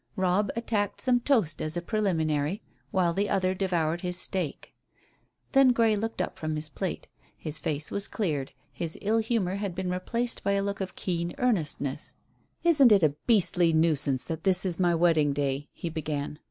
Robb attacked some toast as a preliminary, while the other devoured his steak. Then Grey looked up from his plate. His face had cleared; his ill humour had been replaced by a look of keen earnestness. "It's a beastly nuisance that this is my wedding day," he began.